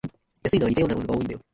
安いのは似たようなの多いんだよ